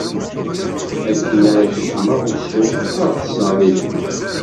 Akken ara kecmeɣ usu, ad ṭṭseɣ di lehna.